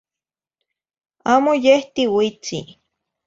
Amo yeh tiuitzi